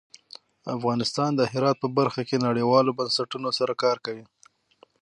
افغانستان د هرات په برخه کې نړیوالو بنسټونو سره کار کوي.